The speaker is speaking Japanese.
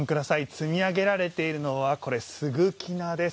積み上げられているのはすぐき菜です。